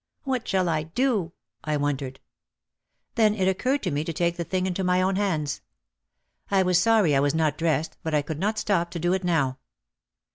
"What shall I do?" I wondered. Then it oc curred to me to take the thing into my own hands. I was sorry I was not dressed but I could not stop to do it now.